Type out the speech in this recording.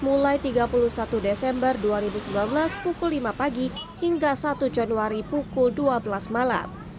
mulai tiga puluh satu desember dua ribu sembilan belas pukul lima pagi hingga satu januari pukul dua belas malam